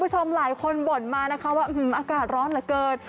คุณผู้ชมหลายคนบ่นมานะคะว่าอากาศร้อนเหลือเกิน